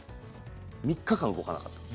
３日間動かなかったって。